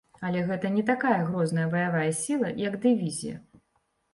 Але гэта не такая грозная баявая сіла, як дывізія.